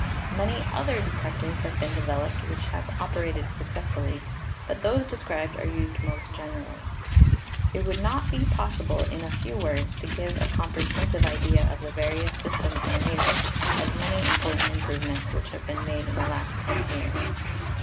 Many other detectors have "been developed which have operated successfully, but those described are used most generally. It would not be possible in a few words to give a com prehensive idea of the various systems in use, as many important improvements which have been made in the last ten years.